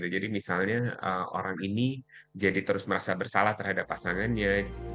jadi misalnya orang ini jadi terus merasa bersalah terhadap pasangannya